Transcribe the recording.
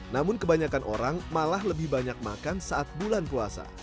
namun kebanyakan orang malah lebih banyak makan saat bulan puasa